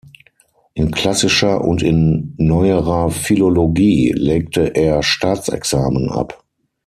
In klassischer und in neuerer Philologie legte er Staatsexamen ab.